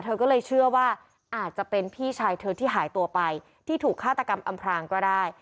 เธอก็เลยเชื่อว่าอาจจะเป็นพี่ชายเธอที่หายตัวไปที่ถูกฆาตกรรมอำพรางก็ได้